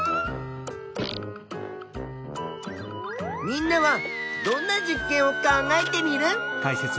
みんなはどんな実験を考えテミルン？